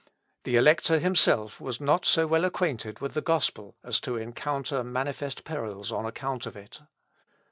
The Elector himself was not so well acquainted with the gospel as to encounter manifest perils on account of it.